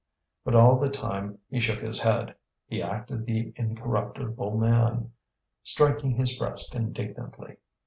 But all the same he shook his head; he acted the incorruptible man, striking his breast indignantly.